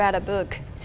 saya membaca buku